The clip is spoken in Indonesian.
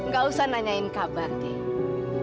gak usah nanyain kabar deh